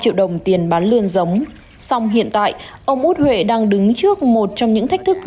sinding dàm tiền bán lươn giống xong hiện tại ông út huệ đang đứng trước một trong những thách thức